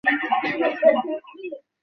কোনোভাবে সমঝোতা করা যায় না?